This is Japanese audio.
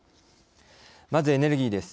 まずエネルギーです。